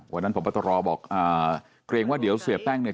วันนั้นพระบัตรรอบอกเกรงว่าเดี๋ยวเสียแป้งเนี่ย